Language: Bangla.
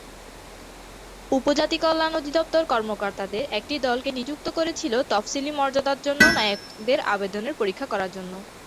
উপজাতি কল্যাণ অধিদপ্তর কর্মকর্তাদের একটি দলকে নিযুক্ত করেছিল, তফসিলি মর্যাদার জন্য নায়কদের আবেদনের পরীক্ষা করার জন্য।